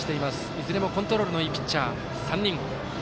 いずれもコントロールのいいピッチャー３人。